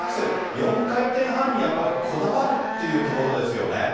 ４回転半にこだわるというところですよね。